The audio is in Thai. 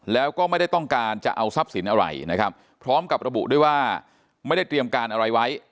แล้วก็ไม่ได้ต้องการจะเอาทรัพย์สินอะไรนะครับพร้อมกับระบุด้วยว่าไม่ได้เตรียมการอะไรไว้